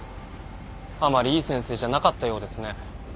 あまりいい先生じゃなかったようですね。